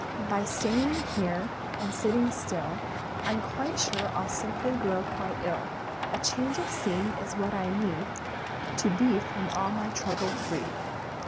"By staying here and sitting still I'm sure I'll simply grow quite ill. A change of scene is what I need To be from all my trouble freed."